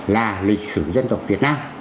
là lịch sử dân tộc việt nam